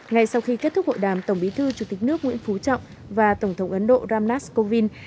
ngay sau khi kết thúc hội đàm tổng bí thư chủ tịch nước nguyễn phú trọng và tổng thống ấn độ ramnascowin